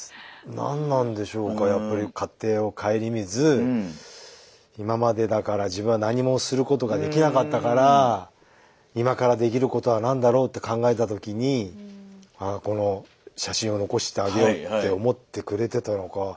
何なんでしょうかやっぱり家庭を顧みず今までだから自分は何もすることができなかったから今からできることは何だろうって考えた時にああこの写真を残してあげようって思ってくれてたのか。